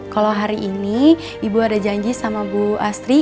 kalau hari ini ibu ada janji sama bu asri